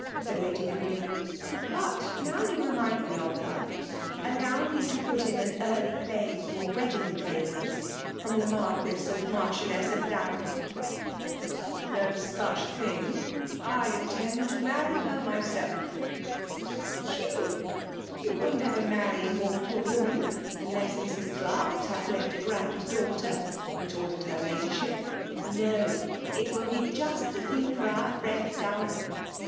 said Lady Emily. " But now you remind me of her, allow me to put in an early claim for wedding favours from the .Marquifi and Marchioness of Downham." *■" No such thing !— I intend to marry her myself." "You? — You will never maiTy mortal woman, unless Mrs. Glasse has left a grand daugh ,terr' retorted her Ladyship. "No! — it will <(€€ 270 FEMALE DOUINATION. be just the thing for our friend Dovnhatn.